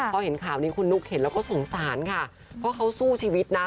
พอเห็นข่าวนี้คุณนุ๊กเห็นแล้วก็สงสารค่ะเพราะเขาสู้ชีวิตนะ